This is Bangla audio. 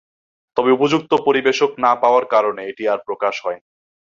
তবে উপযুক্ত পরিবেশক না পাওয়ার কারণে এটি আর প্রকাশ হয়নি।